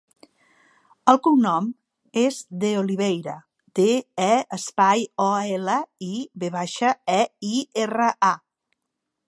El cognom és De Oliveira: de, e, espai, o, ela, i, ve baixa, e, i, erra, a.